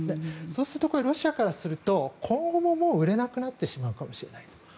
そうするとロシアからすると今後ももう売れなくなってしまうかもしれない。